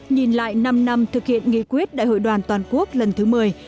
nhìn lại năm năm thực hiện nghị quyết đại hội đoàn toàn quốc lần thứ một mươi